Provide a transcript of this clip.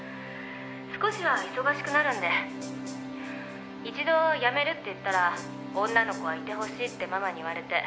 少しは忙しくなるんで」「一度辞めるって言ったら女の子はいてほしいってママに言われて」